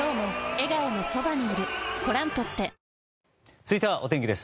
続いては、お天気です。